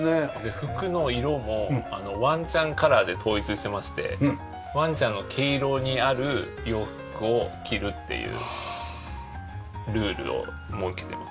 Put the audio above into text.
服の色もワンちゃんカラーで統一してましてワンちゃんの毛色にある洋服を着るっていうルールを設けています。